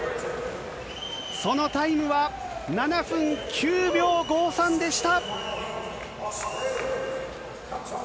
そのタイムは７分９秒５３でした。